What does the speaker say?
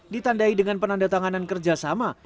ditandai dengan penandatanganan kerjasama